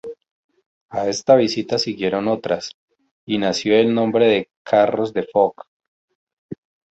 A esta visita siguieron otras, y nació el nombre de Carros de Foc.